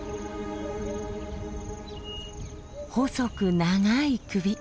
細く長い首。